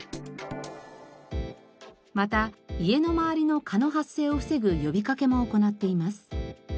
また家の周りの蚊の発生を防ぐ呼びかけも行っています。